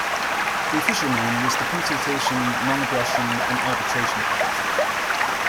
The official name was the Consultation, Non-Aggression and Arbitration Pact.